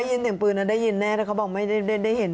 ยินเสียงปืนได้ยินแน่แต่เขาบอกไม่ได้เห็น